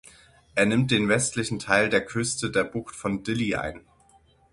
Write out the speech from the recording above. Er nimmt den westlichsten Teil der Küste der Bucht von Dili ein.